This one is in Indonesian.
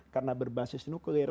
karena berbasis nuklir